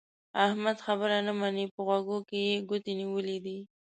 احمد خبره نه مني؛ په غوږو کې يې ګوتې نيولې دي.